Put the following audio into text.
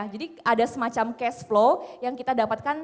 jadi ada semacam cash flow yang kita dapatkan